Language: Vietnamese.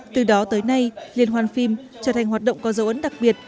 từ đó tới nay liên hoan phim trở thành hoạt động có dấu ấn đặc biệt